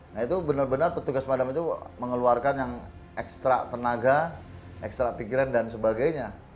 nah itu benar benar petugas pemadam itu mengeluarkan yang ekstra tenaga ekstra pikiran dan sebagainya